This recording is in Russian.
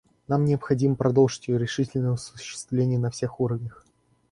Нам необходимо продолжить ее решительное осуществление на всех уровнях.